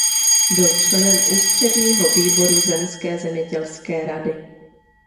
Byl členem ústředního výboru zemské zemědělské rady.